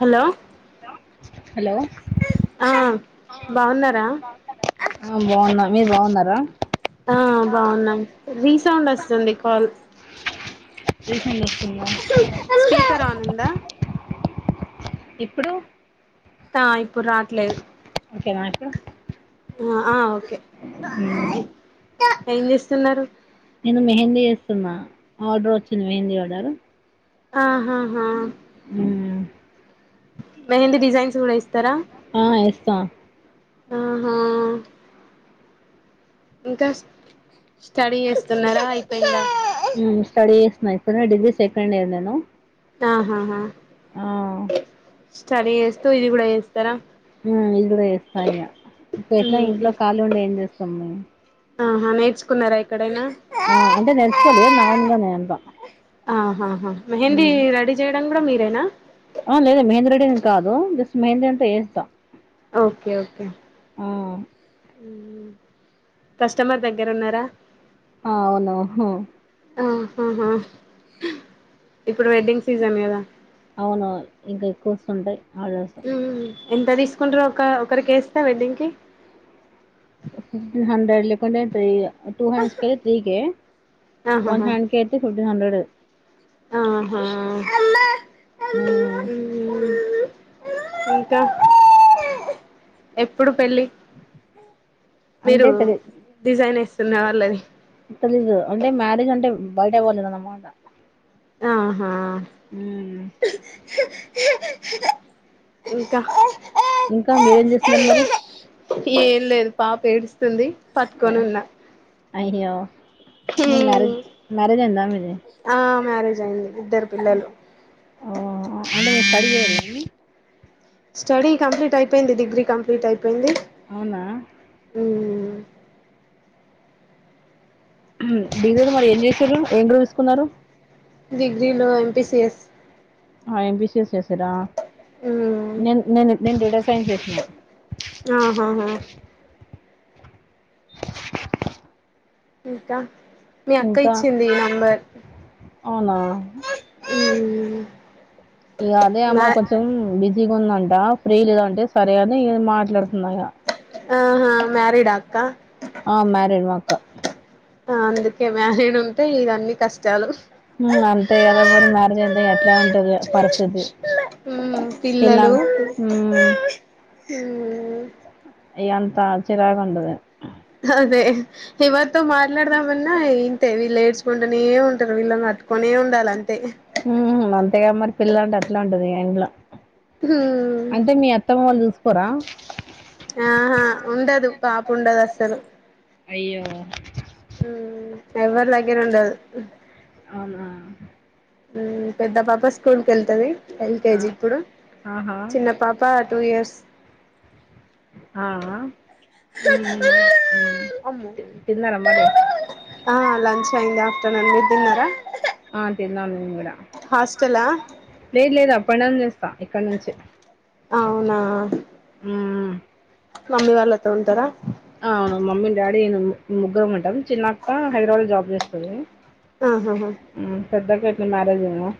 Hello hello ఆ బాగున్నారా ఆ బాగున్న మీరు బాగున్నారా ఆ బాగున్నాం రీ సౌండ్ వస్తుంది కాల్ రీసెంట్ వస్తుందా స్పీకర్ ఆన్ ఉందా ఇప్పుడు తాయి ఇప్పుడు రాట్లేదు ఓకే నా ఇప్పుడు ఆ ఓకే ఏం చేస్తున్నారు నేను మెహందీ చేస్తున్నా ఆర్డర్ వచ్చింది మెహందీ ఆర్డర్ ఆహాహా మ్మ్. మెహందీ డిజైన్స్ కూడా ఏస్త ఆ ఎస్ స్త ఆహా ఇంకా స్టడీ చేస్తున్నారా అయిపోయింద మైపుర్ డిగ్రీ సెకండ్ ఇయర్ నేను ఆహాహా ఆ స్టడీ చేస్తూ ఇది కూడా చెస్ ఇది కూడా చేస్తాయి ఇగ ఎట్లా ఉహు ఇంట్లో కాలి ఉంది ఏం చేస్తా మ్మ్ ఆహా నేర్చుకున్నారా ఎక్కడైనా ఆ అంటే నేర్చుకోలే నా ఓన్గా నే అంతా ఆహా మెహందీ మ్మ్. రెడీ చేయడం కూడా మీ నేనా ఆ లేదండి మెహంది రెడీ ఏం కాదు జస్ట్ మెహంది అంటే ఏస్తా ఓకే ఓకే కస్టమర్ దగ్గర ఉన్నారా ఆ అవునువును ఆ ఆహా హా ఇప్పుడు వెడ్డింగ్ సీజన్ కదా అవునవును ఇంకా ఎక్కువ వస్తుంటయ్ మ్మ్ ఎంత తీసుకుంటరు ఒక ఒకరికేస్తే వెడ్డింగ్కి ఒక్ ఫిప్టీన్ హండ్రెడ్ లేకంటే వేయ్య టూ హ్యాండ్స్ కే త్రీకే వన్ ఆహాహా హ్యాండ్ కే అయితే ఫిప్ త్రీ హండ్రెడ్ ఆహా మ్మ్ మ్మ్ ఇంకా ఎప్పుడు పెళ్ళి అంటే మీరు తెలి డిజైన్ వేస్తున్న వాళ్ళది తెలీదు అంటే మ్యారేజ్ అంటే బయట పోలేదన్నమాట ఆహా ఇంకా ఇంకా మీరేం చేస్తున్నారు మరి పాపేడుస్తుంది అ పట్కొని ఉన్న అయ్యో మీ మ్యారేజ్ మ్యారేజ్ అయిందా మీది ఆ మ్యారేజ్ అయింది ఇద్దరు పిల్లలు ఓహ్! [unintelligible] స్టడీ కంప్లీట్ అయిపోయింది డిగ్రీ కంప్లీట్ అయి అవునా హ్మ్ హ్మ్ డిగ్రీలో మరి ఏం చేస్తారు ఏం గ్రూప్ తీసుకున్నారు డిగ్రీలో ఎం పి సి ఎస్ ఆ ఎం పి సి ఎస్ చేసరా మ్మ్ నేన్ నేను నేను డేటా సైన్స్ చేసిన ఆహాహా ఇంకా మీ అక్క ఇంకా ఇచ్చింది ఈ నంబర్ అవునా మ్మ్ హ్మ్ హు ఇగ అదే అమ్మ కొంచెం బిజ్ జిగుందంట ఫ్రీ లేద అంటే సరే అని మాట్లాడుతున్నా ఇగ అహా మ్యారీడ అక్క ఆ మ్యారీడ్ మా అక్క ఆ అందుకే మ్యారీడ్ ఉంటే ఇవన్నీ కష్టాలు హ్మ్మ్ అంతే కదా మరి మ్యారేజ్ అయితే ఇగ అట్లనే ఉంటది పరిస్థితి మ్మ్ ఇళ్ళ హ్మ్మ్ హ్మ్ అయ్ అంత చిరాకు ఉంటది అదే ఎవరితో మాట్లాడదామన్నా ఇంతే వీలు ఏడుసుకుంటనే ఉంటరు వీళ్లని వట్టుకొనే ఉండాల అంతే తేగా మరి పిల్ల అంటే అట్లే ఉంటది ఇగ ఇంట్లో మ్మ్ అంటే మీ అత్తమ్మ వాళ్లు చూసు పోరా ఆహా ఉండదు పాప ఉండదు అస్సలు అయ్యో మ్మ్ ఎవ్వరి దెగ్గర ఉండదు హ్మ్. అవునా హ్మ్ పెద్ద పాప స్కూల్ కు ‌ ఎళ్తది ఆ ఎల్‌కేజీ ఇప్పుడు ఆహా చిన్న పాప టూ ఇయర్స్ ఆ ఆ మ్మ్ మ్మ్ అమ్మో తిన్నారా మరి ఆ లంచ్ అయ్యిందా [unintelligible] అందరూ తిన్నారా ఆ తిన్నాం హాస్టలా పనామె చేస్ కా ఇక్కడ నుంచి [inaudible] అవునా మమ్మీ వాళ్లతో ఉంటారా? ఆ అవును, మమ్మీ, డాడీ, నేను ముగ్గురం ఉంటం. చిన్న అక్కా హైదరాబాద్‌లో జాబ్ చేస్తదీ. ఆహా హా! మీ మ్యారేజ్ అయ్యిందా?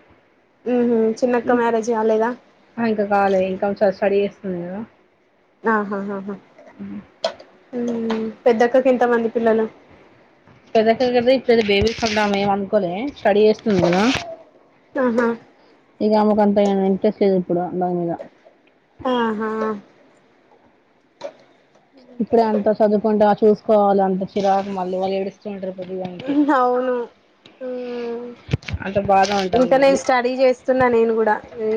ఊహూ. చిన్న అక్క మ్యారేజ్ కాలేదా? ఇంకా కాలే ఇంకా [unintelligible] ఆహా హా హా. ఉమ్ పెద్దక్కకి ఎంతమంది పిల్లలు. పెద్దక్క [unintelligible] ఇప్పుడేతే బేబీస్ కన్దాం ఏం అనుకోలే స్టడీ చేస్తుంది గదా. ఆహా ఇగామెకు అంత ఏ ఇంట్రెస్ట్ లేదు ఇప్పుడు దాని మీదా. ఆహా ఇప్పుడే అంత చదువుకుంటే చూసుకోవాలి అంత చిరాకు మళ్ళీ వాళ్ళు ఏడుస్తూ ఉంటరు పొద్దుగాల్నే. అవును అద్ ఇంకా నేను స్టడీ చేస్తున్న నేను కూడా, ఈ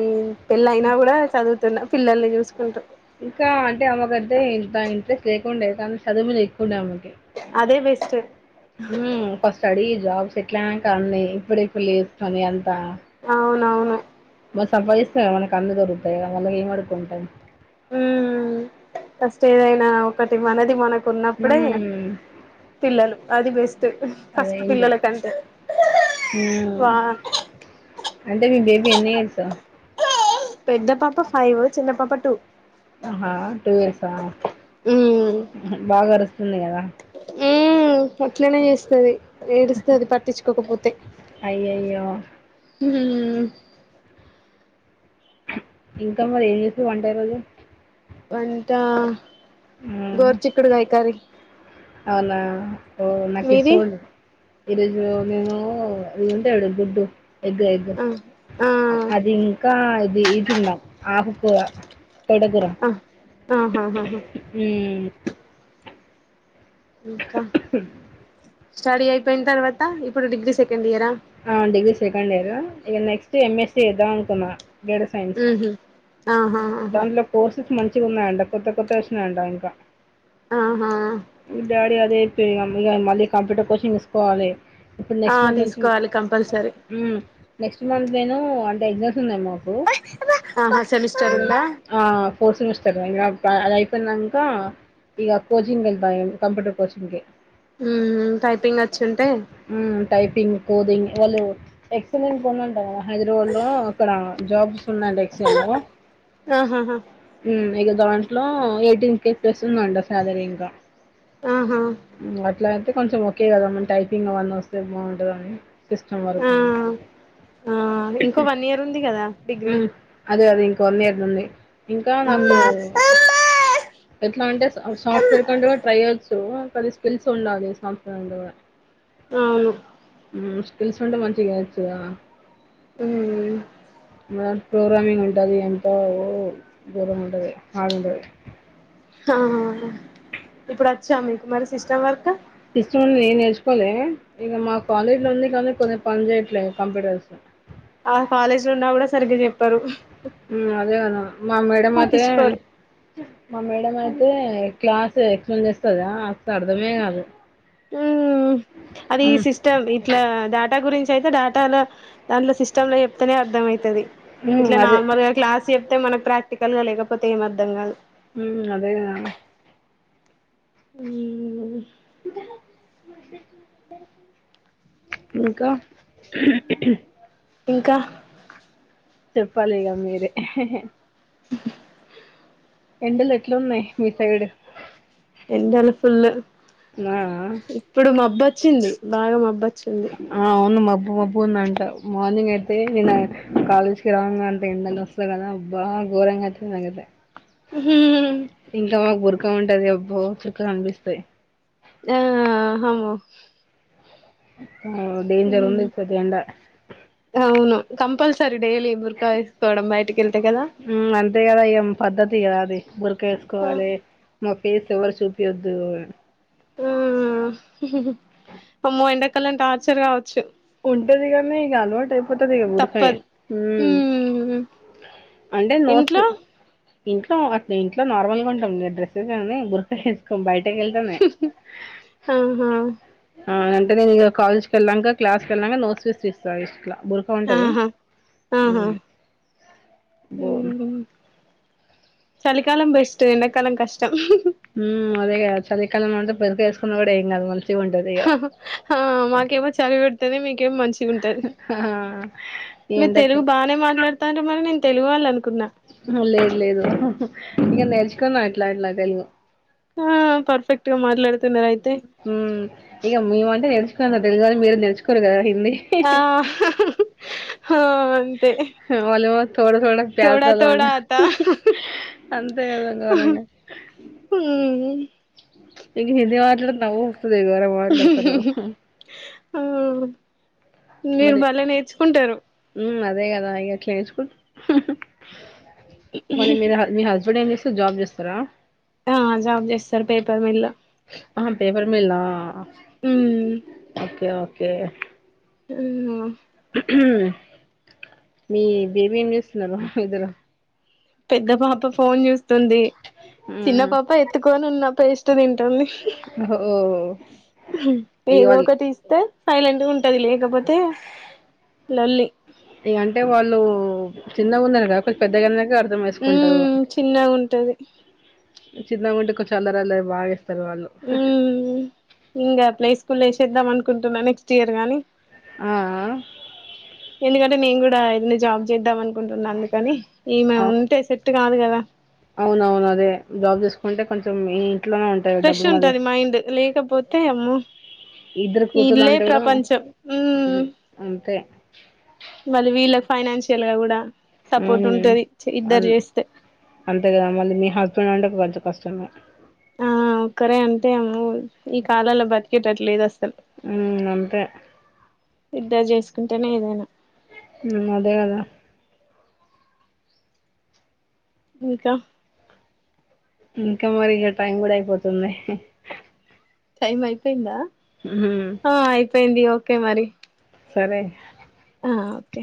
పెళ్ళ అయినా కూడా చదువుతున్నా. పిల్లల్ని చూసుకుంటూ. ఇంకా అంటే అమ్మకంటే ఇంత ఇంట్రెస్ట్ లేకుండే కానీ చదువు మీద ఎక్కువ ఉండే ఆమెకీ. అదే బెస్ట్. హ్మ ఫస్ట్ స్టడీ జాబ్ సెటిల్ అయినంకా అన్నీ ఇప్పుడుప్పుడు లేస్తాంది అంతా. అవునవును. బాగ సంపాదిస్తారా మనకి అన్ని దొరుకుతయి మళ్ళ మళ్ళ ఏం అడుకుంటం. ఉమ్ ఫస్ట్ ఏదైనా ఒకటి మనది మనక్ ఉన్నప్పుడే హ్మ్. పిల్లలు. అది బెస్ స్ట్ ఫస్ట్ అదైంది. పిల్లలకంటే హ్మ్. వా ఎన్నీ ఇయర్స పెద్ద పాప ఫైవ్, చిన్న పాప టూ ఆహా టూ ఇయర్స్ ఆ ఉమ్ బాగా అరుస్తుంది కదా. ఉమ్ అట్లనే చేస్తది. ఏడుస్తది పట్టిచ్చుకోకపోతే. అయ్యయ్యో! హ్మ ఇంకా మరి ఏం చేసిరు వంట ఈ రోజు. వంటా గోర్చుక్కుడుగాయ్ కర్రీ. అవునాఓ నాకి మీది సోల్ ఈరోజు ే ఇదింటే ఎడు గుడ్డు ఎగ్గ ఎగ్గ ఆ ఆ అది ఇంకా ఇది ఇదిన్నా ఆహుకు తొడగుర ఆ ఆహాహాహా మ్మ్ ఇంకా స్టడీ అయిపోయిన తర్వాత ఇప్పుడు డిగ్రీ సెకండ్ ఇయరా ఆ డిగ్రీ సెకండ్ ఇయర్ ఇక నెక్స్ట్ ఎం స్ స్సీ చేద్దాం అనుకున్నా గడ సైన్స్ ఉహు ఆహా హా మంచిగున్నా అంట కొత్త కొత్త చూసినం అంట ఇంకా ఆహా డాడీ అదే ఇగ మళ్ళీ కంప్యూటర్ కోచింగ్ ఇసుకోవాలి ఆ తీసుకోవాలి కంపల్సరీ మ్మ్ నెక్స్ట్ మంత్ నేను అంటే ఎగ్జామ్ సెమిస్ మ్మ్ ఆ ఫోర్ సెమిస్ సరే అది అయిపోయినంక ఇగ కోచింగ్ వెళ్తా కంప్యూటర్ కోచింగ్ కి మ్మ్ టైపింగ్ వచ్చి ఉంటే హ్మ్. టైపింగ్ కోదింగ్ వాళ్ళు ఎక్సలెంట్ కొంట కదా హైదరాబాద్ లో అక్కడ జాబ్స్ ఉన్నాడి ఎక్సలె లో ఆహా హా ఇక దాంట్లో ఎయిటీన్ కే ప్లెస్ ఉందంట సాలరీ ఇంకా ఆహా మ్మ్ అట్లా అయితే కొంచెం ఒక కదమ్మ టైపింగ్ అవన్న వస్తే బాంటదని ఆ ఆ ఇంకో వన్ ఇయర్ ఉంది కదా డిగ్రీ మ్మ్ అదే అది ఇంక వన్ ఇయర్ నుడి ఇంకా ఉమ్ నాకు ఎట్లా అంటే సాఫ్ట్వేర్ కంటూ కూడా ట్రై చేస్ తు అది స్కిల్స్ ఉండాలి సాఫ్ట్వేర్ లో కూడా అవును మ్మ్ స్కిల్స్ ఉంటే మంచిగా చ మ్మ్ ప్రోగ్రామింగ్ ఉంటుంది ఎంతో దూరం ఉంటది ఆడు ఉంటది ఆఆ ఇప్పుడు వచ్చా మీకు మరి సిస్టమ్ వర్క్ సిస్టమ్ నుండి నేర్చుకోవాలి ఇక మా కాలేజ్ లో ఉంది కానీ కొన్ని పని చేయట్లేదు కంప్యూటర్స్ ఆ కాలేజీ లో ఉన్నా కూడా సరిగ్గా చెప్పారు ఉ అదే గద మా మేడం అతే పట్టించుకోరు మా మేడం అయితే క్లాస్ ఎక్స్ప్లెయిన్ చేస్తదా అసలు అర్ధమే కాదు ఉ అది ఈ హ్మ్. సిస్టమ్ ఇట్లా డేటా గురించి అయితే డేటాలో దాంట్లో సిస్ట సిస్టమ్ లో చెప్తనే అర్థమయితది హ్మ్. ఇట్ల అదే. నార్మల్గా క్లాస్ చెప్ అయితే మనకు ప్రాక్టికల్ గా లేకపోతే ఏమి అర్థంగాదు ఉ అదేగా ఊ ఇంకా ఇంకా చెప్పాలిగ మీరే హు హు హు ఎండలు ఎట్లున్నాయి మీ సైడు ఎండలు ఫుల్లు ఇప్పుడు మబ్బొచ్చింది బాగా మబ్బ ఆ అవును మబ్ మబ్బు మబ్బు ఉందంట మార్నింగ్ అయితే నిన్న కాలేజీకిి రాంగా అంటే ఎండల వస్తా కదా అబ్బా ఘోరంగా ఉంది నాకైతే హు హు హు చుక్క ఉంటది అబ్బో చుక్క కనిపిస్తాయి ఆ హమ్మో అగో డేంజర్ ఉంది ఇప్పుటి ఎండ కంపల్సరి డైలీ బురఖా వేసుకోవడం బయటికి కేళ్తే కదా ఉమ్, అంతే కదా ఇగ పద్ధతి కదా అది బురక ఆ ఏసుకోవాలే మా ఫేస్ ఎవరు చూపియద్దు ఆ హు అమ్మో ఎండాకాలం టార్చర్ కావచ్చు ఉంటది కని ఇగ అలవాటు అయిపోతది బురకయే తప్పదు ఉ ఉమ్ అంటే నోస్త్ ఇంట్లో ఇంట్లో అట్నే ఇంట్లో నార్మల్ గా ఉంటాం డ్రెస్సెస్ అన్ని బురక ఎసుకొం బయ ఆహా ఆ అంటే నేను ఇగ కాలేజ్కి వెళ్లాంక క్లాస్ కి ఏళ్ళినంగా నో స్వీస్ తీసి తాగేచు ఇట్లా బురఖా ఉంటది ఆహా ఉ ఆహా బో ఉమ్ చలికాలం బెస్ట్ ఎండకాలం కష్ ఉహు అదేగా చలికాలం అంటె పెరుక ఏసుకున్న కూడా ఏం కాదు మల్ హా హా హా మాకేమో చలి పెడతే మీకేమో మంచిగా ఉంటది ఆ ఈ మీరు ఎండకు తెలుగు బానే మాట్లాడుతారు మరి నేను తెలుగు వాళ్ళు అనుకున్నా లేదు లేదు ఇగ నేర్చుకున్నా అట్లాట్లా తెలుగు ఆ పర్ఫెక్ట్గా మాట్లాడు ఉన్నారు అయితే ఇగ మేమంటే నర్చుకున్నా తెలుగోళ్లు మీరు నేర్చుకోవాలి కదా హిన్ ఆ హా హా హా హా హా అంతే వాళ్ళేమో తోడ తోడ తోడా ప్యాజాదాలో అంట తోడా ఆతా ఆహ్ ఆహ్ అంతే కదా గోరంగా ఉమ్ ఇగ ఇదే మాట్లాడదు నవు ఇ వార మాట్లాడతారు ఆహా ఆ మీరు మళ్ళా నేర్చుకుంటారు మ్మ్ అదే కదా ఇగ కేస్కు హ హ మళ్ళ మీర్ మీ హాజ ఇప్పుడ ఏం చేస్తారు జాబ్ చేస్తారా ఆ జాబ్ చేస్తారు పేపర్ మిల్లు ఆ పేపర్ మిల్ల ఊమ్ ఓకే ఓకే ఆమ్మ ఉమ్ మీ బేబీ ఏం చేస్తున్నారు ఇద్దరు పెద్ద పాప ఫోన్ చూస్తుంది చిన్న మ్మ్ పాప ఎత్తుకొని ఉన్నం పేస్ట్ తిన్ ఓ ఊహ్మ్ ఇగ ఏదో వాళ్ళు ఒకటి ఇస్తే సైలెంట్గా ఉంటది లేకపోతే లొల్లి ఇ అంటే వాళ్ళు చిన్నగా ఉన్నారు కదా కొంచ పెద్దగా ఊమ్ చిన్నగా ఉంటది చిన్నగొంటే కొంచెం అల్లరి అల్లరి బాగా చేస్ ఊమ్ వుండే ఆ ప్లే స్కూల్లో ఏశేద్దాం అను కుంటున్న నెక్స్ట్ ఇయర్ గాని ఆ ఆ ఆ నిజాబ్ జెదమన్ కుంటున్నా అందుకని ఈమె ఆ ఉంటే సెట్ రాదు కదా అవునవును అదే జాబ్ తీసుకుంటే కొంచెం ఈ ఇంట్లోనే ఉంటారు ఫ్రెష్ డబ్బులు మరి ఉంటది మైండ్ లేకపోతే అమ్మో ఇద్దరు ఈ కూతుర్లు ఇల్లే అంటే కూడా ప్రపంచం ఊమ్ హ్మ్, అంతే మరి వీళ్ళక్ ఫైనాన్షియల్ గా కూడా సపోర్ట్ ఊమ్ ఉంటది అం ఇద్దరు చేస్తే అంతే కదా మళ్ళీ మీ హస్బెండ్ అంటే కొంచెం కష్టంగా ఆ ఒక్కరే అంటే ఆమ్మో ఈ కాలంలో బతికెటట్ లేదు అసల్ ఊమ్ అంతే ఇద్దరు చేసుకుంటేనే ఏదైనా ఉం అదే కదా ఇంకా ఇంకా మరి ఇక టైం కూడా అయిపోతుంది టైమ్ అయిపోయిందా మ్మ్ ఆ అయిపోయింది గా ఒకే మరి సరే ఆ ఓకే